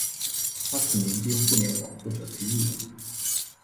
它可以连接互联网或者局域网。